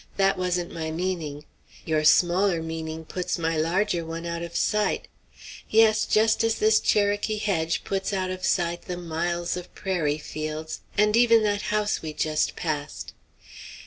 That wasn't my meaning. Your smaller meaning puts my larger one out of sight; yes, just as this Cherokee hedge puts out of sight the miles of prairie fields, and even that house we just passed.